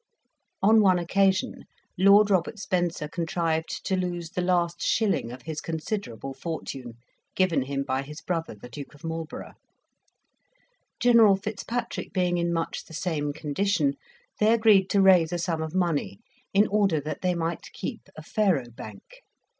On one occasion, Lord Robert Spencer contrived to lose the last shilling of his considerable fortune, given him by his brother, the Duke of Marlborough; General Fitzpatrick being much in the same condition, they agreed to raise a sum of money, in order that they might keep a faro bank.